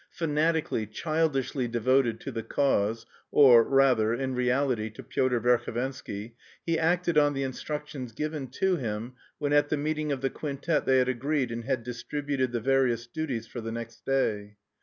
Fanatically, childishly devoted to "the cause" or rather in reality to Pyotr Verhovensky, he acted on the instructions given to him when at the meeting of the quintet they had agreed and had distributed the various duties for the next day.